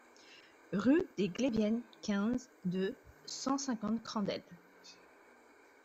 Rue des Gleviennes, quinze, deux cent cinquante Crandelles